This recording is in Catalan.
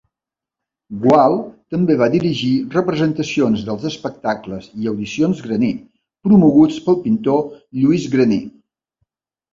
Gual també va dirigir representacions dels Espectacles i Audicions Graner promoguts pel pintor Lluís Graner.